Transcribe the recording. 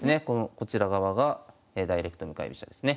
こちら側がダイレクト向かい飛車ですね。